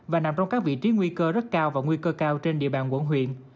và nằm trong các vị trí nguy cơ rất cao và nguy cơ cao trên địa bàn quận huyện